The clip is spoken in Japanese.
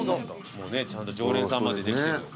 もうねちゃんと常連さんまでできてるよ。